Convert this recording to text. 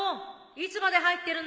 いつまで入ってるの？